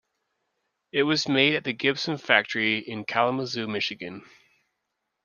It was made at the Gibson Factory in Kalamazoo, Michigan.